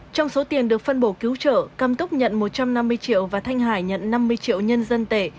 trong số tiền được phân bổ cứu trợ cam túc nhận một trăm năm mươi triệu và thanh hải nhận năm mươi triệu nhân dân tệ